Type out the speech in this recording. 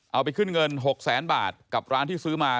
เอาไปขึ้นเงิน๖แสนบาทกับร้านที่ซื้อมา